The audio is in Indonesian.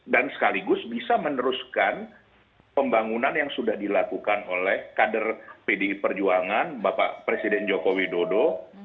dan sekaligus bisa meneruskan pembangunan yang sudah dilakukan oleh kader pd perjuangan bapak presiden jokowi dodo